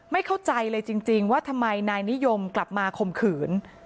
ไม่เข้าใจเลยจริงว่าทำไมนายนิยมกลับมาข่มขืน